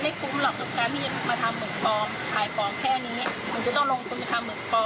โดดหวัดซึ่งทันทีแล้วก็ลงไปศ่ายกับเขาในรอนิเมล์เขาเยอะเหมือนกันว่า